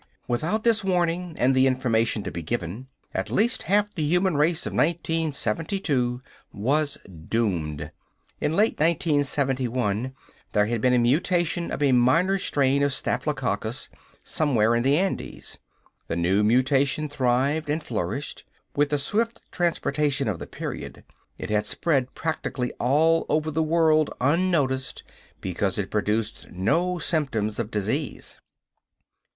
Without this warning and the information to be given, at least half the human race of 1972 was doomed. In late 1971 there had been a mutation of a minor strain of staphylococcus somewhere in the Andes. The new mutation thrived and flourished. With the swift transportation of the period, it had spread practically all over the world unnoticed, because it produced no symptoms of disease.